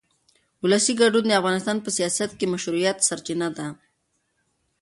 ولسي ګډون د افغانستان په سیاست کې د مشروعیت سرچینه ده